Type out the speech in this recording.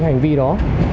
hành vi đó